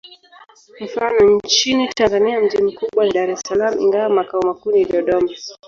Mfano: nchini Tanzania mji mkubwa ni Dar es Salaam, ingawa makao makuu ni Dodoma.